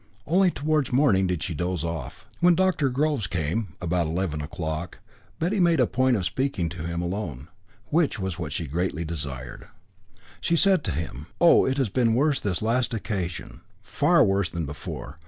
Only towards morning did she doze off. When Dr. Groves came, about eleven o'clock, Betty made a point of speaking to him alone, which was what she greatly desired. She said to him: "Oh! it has been worse this last occasion, far worse than before.